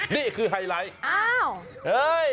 นี่คือไฮไลท์